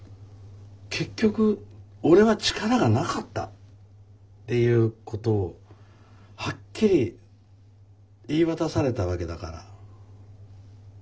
結局俺は力がなかったっていうことをはっきり言い渡されたわけだから。